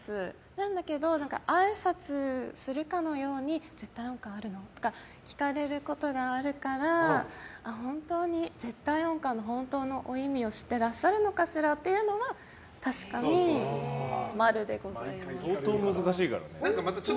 なんだけどあいさつするかのように絶対音感あるの？とか聞かれることがあるから本当に絶対音感の本当のお意味を知ってらっしゃるのかしらっていうのは相当難しいからね。